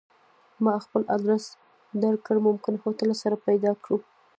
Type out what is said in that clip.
ما خپل ادرس درکړ ممکن هلته سره پیدا کړو